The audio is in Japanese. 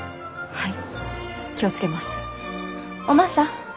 ・はい。